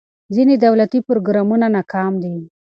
ځینې دولتي پروګرامونه ناکام دي.